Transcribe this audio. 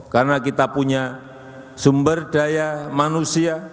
karena kita punya sumber daya manusia